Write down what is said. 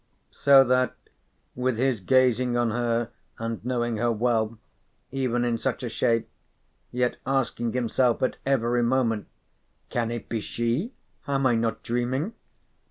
So that with his gazing on her and knowing her well, even in such a shape, yet asking himself at every moment: "Can it be she? Am I not dreaming?"